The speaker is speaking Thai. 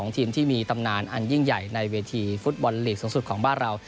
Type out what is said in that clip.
ทีมที่มีตำนานอันยิ่งใหญ่ในเวทีฟุตบอลลีกสูงสุดของบ้านเรา